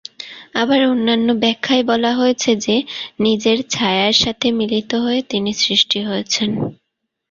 আবার অন্যান্য ব্যাখ্যায় বলা হয়েছে যে নিজের ছায়ার সাথে মিলিত হয়ে তিনি সৃষ্টি হয়েছেন।